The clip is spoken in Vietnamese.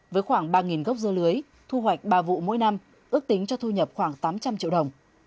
với khoảng ba gốc dưa lưới thu hoạch ba vụ mỗi năm ước tính cho thu nhập khoảng tám trăm linh triệu đồng